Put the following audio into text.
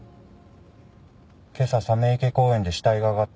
今朝鮫池公園で死体が上がったって。